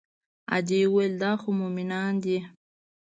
ادې وويل دا خو مومنان دي.